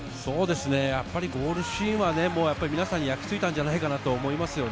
やっぱりゴールシーンは皆さん、焼き付いたんじゃないかなと思います。